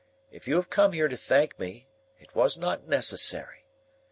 If you have come here to thank me, it was not necessary.